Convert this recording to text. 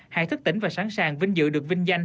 hạnh thức tỉnh và sẵn sàng vinh dự được vinh danh